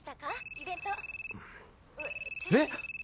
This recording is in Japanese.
イベント」えっ！？